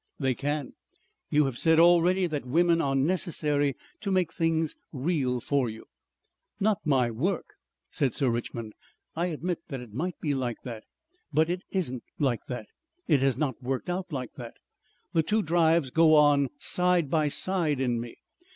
"They can. You have said already that women are necessary to make things real for you." "Not my work," said Sir Richmond. "I admit that it might be like that, but it isn't like that. It has not worked out like that. The two drives go on side by side in me.